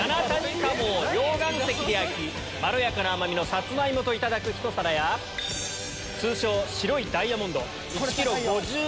溶岩石で焼きまろやかな甘みのサツマイモといただくひと皿や通称白いダイヤモンド。